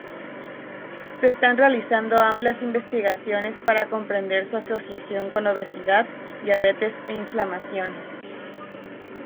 Se están realizando amplias investigaciones para comprender su asociación con obesidad, diabetes e inflamación.